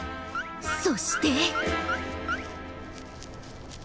そして。